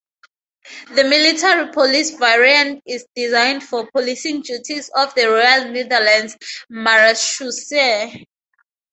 The military police variant is designed for policing duties of the Royal Netherlands Marechaussee.